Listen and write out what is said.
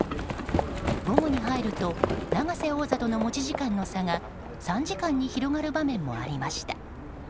午後に入ると永瀬王座との持ち時間の差が３時間に広がる場面もありました。